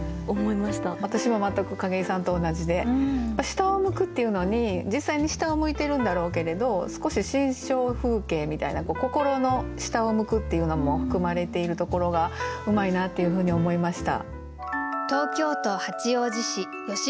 私も全く景井さんと同じで「下を向く」っていうのに実際に下を向いてるんだろうけれど少し心象風景みたいな心の下を向くっていうのも含まれているところがうまいなっていうふうに思いました。